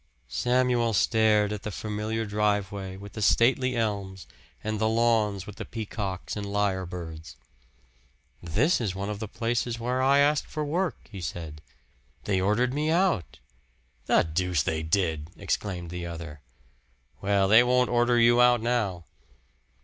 Samuel stared at the familiar driveway with the stately elms, and the lawns with the peacocks and lyre birds. "This is one of the places where I asked for work," he said. "They ordered me out." "The deuce they did!" exclaimed the other. "Well, they won't order you out now."